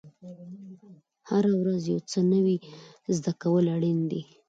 هره ورځ یو څه نوی زده کول اړین دي.